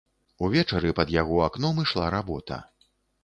Увечары пад яго акном ішла работа.